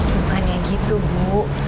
bukannya gitu bu